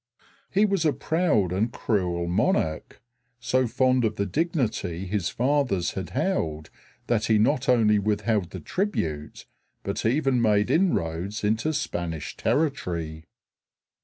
He was a proud and cruel monarch, so fond of the dignity his fathers had held that he not only withheld the tribute, but even made inroads into Spanish territory.